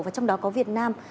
và trong đó có việt nam